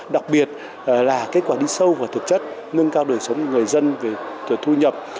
đặc biệt là kết quả đi sâu vào thực chất nâng cao đời sống của người dân về thu nhập